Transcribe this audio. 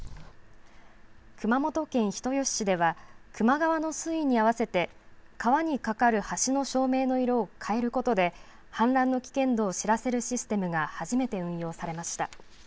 熊本県人吉市では球磨川の水位に合わせて川に架かる橋の照明の色を変えることで氾濫の危険度を知らせるシステムが初めて運用されました。